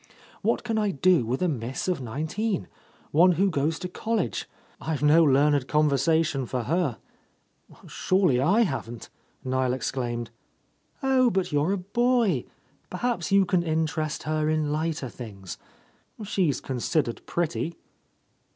"What can I do with a miss of nineteen? one who goes to college? I've no learned conversation for her!" "Surely I haven't!'' Niel exclaimed. "Oh, but you're a boy! Perhaps you can in terest her in lighter things. She's considered pretty.